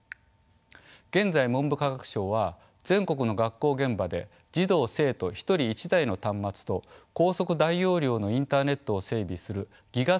現在文部科学省は全国の学校現場で児童生徒一人一台の端末と高速大容量のインターネットを整備するＧＩＧＡ